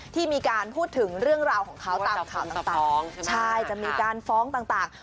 ที่มีการพูดถึงเรื่องราวของเขาต่างจะมีการฟ้องต่าง